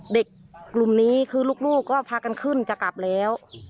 เด็กกลุ่มนี้คือลูกก็พากันขึ้นจะกลับแล้ว